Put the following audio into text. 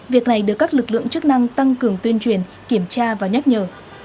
việc này được các lực lượng chức năng tăng cường tuyên truyền kiểm tra và nhắc nhở